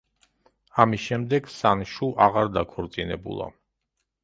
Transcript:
ამის შემდეგ სანშუ აღარ დაქორწინებულა.